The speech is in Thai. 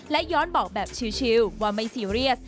และย้อนบอกแบบชิลว่าไม่ซีเรียส